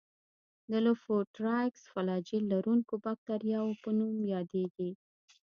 د لوفوټرایکس فلاجیل لرونکو باکتریاوو په نوم یادیږي.